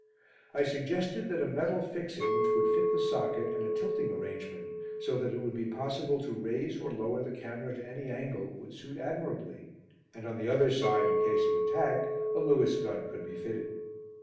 I suggested that a metal fixing, which would fit the socket, and a tilting arrangement, so that it would be possible to raise or lower the camera to any angle, would suit admirably, and on the other side, in case of attack, a Lewis gun could be fitted.